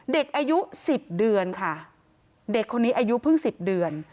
เด็กอายุ๑๐เดือนค่ะเด็กคนนี้อายุเพิ่ง๑๐เดือน